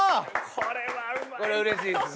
これうれしいですね。